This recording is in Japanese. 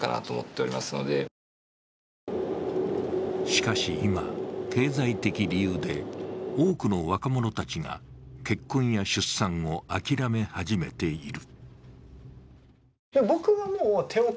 しかし今、経済的理由で多くの若者たちが結婚や出産を諦め始めている。